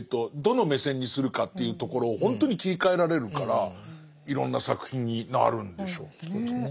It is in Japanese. どの目線にするかというところをほんとに切り替えられるからいろんな作品になるんでしょうきっと。